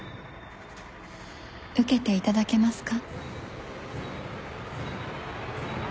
受けていただけますか？